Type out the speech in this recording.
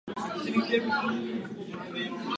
Zlomový byl ročník následující.